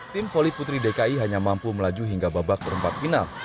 tim voli putri dki hanya mampu melaju hingga babak perempat final